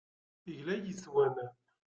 Tegla yes-wen.